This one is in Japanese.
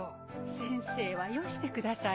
先生はよしてください。